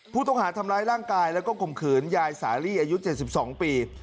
ผู้ต้องหาทำร้ายร่างกายแล้วก็ข่มขืนยายสาลีอายุ๗๒ปี